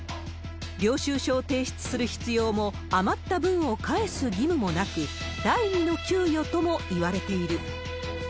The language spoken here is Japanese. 領収書を提出する必要も、余った分を返す義務もなく、第二の給与ともいわれている。